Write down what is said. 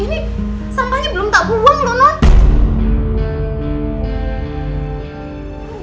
ini sampahnya belum tak buang loh nak